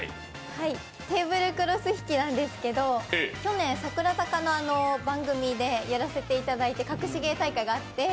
テーブルクロス引きなんですけど去年櫻坂の番組でやらせていただいて、隠し芸大会があって。